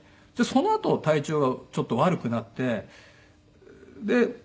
そのあと体調がちょっと悪くなって。